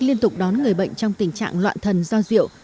liên tục đón người bệnh trong tình trạng loạn thần do rượu